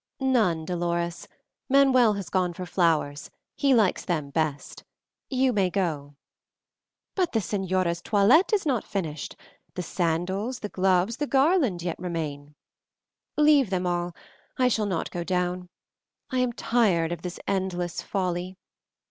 "None, Dolores. Manuel has gone for flowers he likes them best. You may go." "But the señora's toilette is not finished; the sandals, the gloves, the garland yet remain." "Leave them all; I shall not go down. I am tired of this endless folly.